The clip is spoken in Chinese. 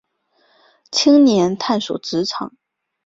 青年探索职场